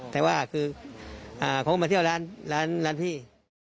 แต่ว่าคือของมาเที่ยวร้านร้านพี่